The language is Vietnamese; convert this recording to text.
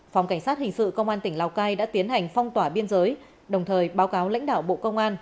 phòng cảnh sát hình sự công an tỉnh lào cai đã tiến hành phong tỏa biên giới đồng thời báo cáo lãnh đạo bộ công an